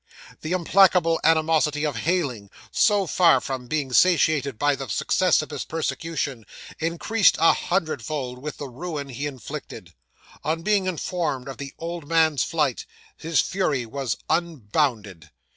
'The implacable animosity of Heyling, so far from being satiated by the success of his persecution, increased a hundredfold with the ruin he inflicted. On being informed of the old man's flight, his fury was unbounded.